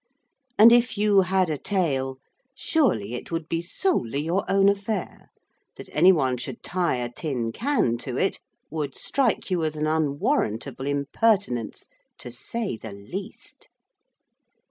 And if you had a tail, surely it would be solely your own affair; that any one should tie a tin can to it would strike you as an unwarrantable impertinence to say the least.